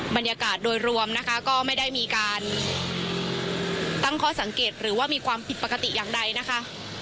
บรรยากาศโดยรวมนะคะก็ไม่ได้มีการตั้งข้อสังเกตหรือว่ามีความผิดปกติอย่างใดนะคะ